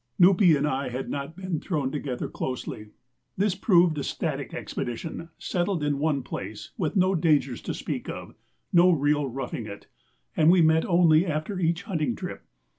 Nupee and I had not been thrown together closely. This had proved a static expedition, settled in one place, with no dangers to speak of, no real roughing it, and we met only after each hunting trip.